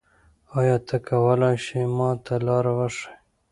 آیا ته کولای ېې ما ته لاره وښیې؟